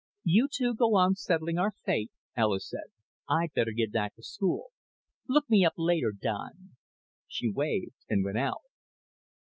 "You two go on settling our fate," Alis said. "I'd better get back to school. Look me up later, Don." She waved and went out.